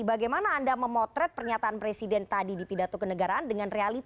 bagaimana anda memotret pernyataan presiden tadi di pidato ke negaraan dengan realitas